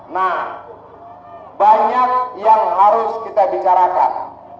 nah banyak yang harus kita bicarakan